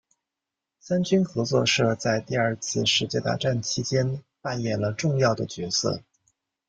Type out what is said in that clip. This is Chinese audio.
三军合作社在第二次世界大战其间扮演了重要的角色。